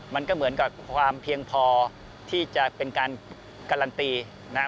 มันก็เหมือนกับความเพียงพอที่จะเป็นการการันตีนะครับ